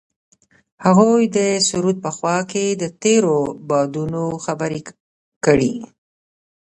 هغوی د سرود په خوا کې تیرو یادونو خبرې کړې.